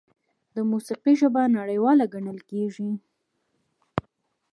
د موسیقۍ ژبه نړیواله ګڼل کېږي.